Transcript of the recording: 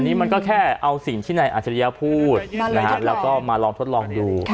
อันนี้มันก็แค่เอาสิ่งที่นายอัจฉริยะพูดแล้วก็มาลองทดลองดู